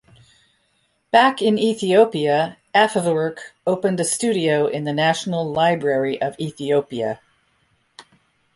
Back in Ethiopia, Afewerk opened a studio in the National Library of Ethiopia.